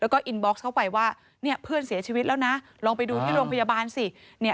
แล้วก็อินบ็อกซ์เข้าไปว่าเนี่ยเพื่อนเสียชีวิตแล้วนะลองไปดูที่โรงพยาบาลสิ